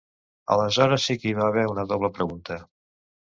Aleshores sí que hi va haver una doble pregunta.